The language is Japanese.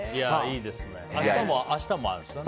明日もあるんですよね。